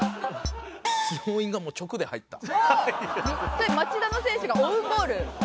それ町田の選手がオウンゴール？